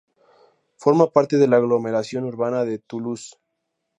Forma parte de la aglomeración urbana de Toulouse.